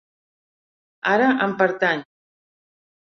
Ara em pertany.